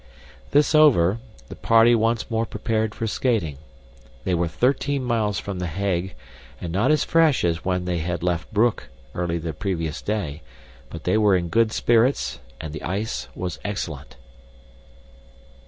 This over, the party once more prepared for skating. They were thirteen miles from The Hague and not as fresh as when they had left Broek early on the previous day, but they were in good spirits and the ice was excellent.